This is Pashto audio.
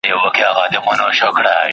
ځینې باکتریاوې مقاومت کوونکې دي.